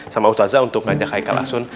sama ustazah untuk ngajak haikal asun